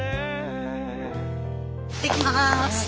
いってきます。